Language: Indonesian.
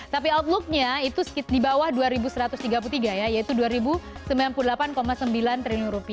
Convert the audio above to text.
tapi outlooknya itu di bawah rp dua satu ratus tiga puluh tiga yaitu rp dua sembilan puluh delapan sembilan triliun